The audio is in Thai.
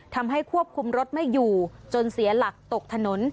ทำให้ควบคุมรถไม่อยู่จนเสียหลักตกถนน